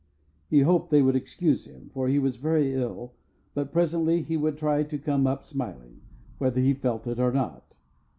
He hoped they would excuse him, for he was very ill, but presently he would try to come up smiling, whether he felt it or not.